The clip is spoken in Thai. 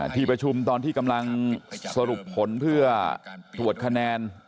ที่ประชุมตอนที่กำลังสรุปผลเพื่อตรวจคะแนน